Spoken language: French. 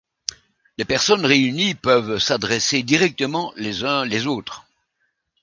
Les personnes réunies peuvent s adresser directement les uns les autres.